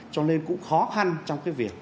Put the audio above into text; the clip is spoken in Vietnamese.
cho nên cũng khó hăn trong cái việc